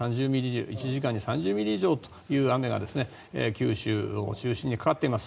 １時間に３０ミリ以上という雨が九州を中心にかかっています。